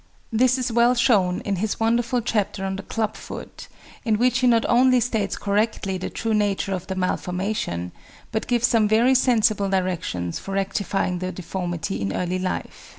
This is well shown in his wonderful chapter on the club foot, in which he not only states correctly the true nature of the malformation, but gives some very sensible directions for rectifying the deformity in early life.